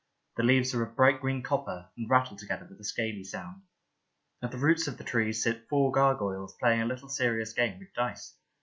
The leaves are of bright green copper, and rattle together with a scaly sound. At the roots of the tree sit four gargoyles playing a little serious game with dice.